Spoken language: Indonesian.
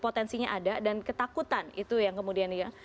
potensinya ada dan ketakutan itu yang kemudiannya